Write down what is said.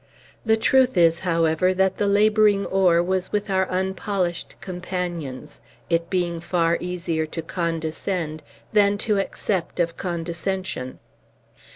The truth is, however, that the laboring oar was with our unpolished companions; it being far easier to condescend than to accept of condescension.